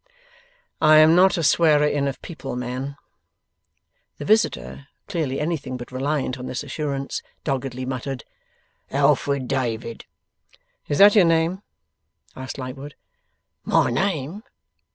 'I am not a swearer in of people, man.' The visitor, clearly anything but reliant on this assurance, doggedly muttered 'Alfred David.' 'Is that your name?' asked Lightwood. 'My name?